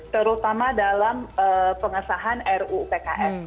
terutama dalam pengesahan ruupks